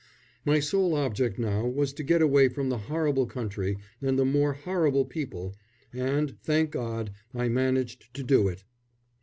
My sole object now was to get away from the horrible country and the more horrible people, and, thank God, I managed to do it.